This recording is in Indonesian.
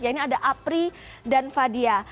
ya ini ada apri dan fadia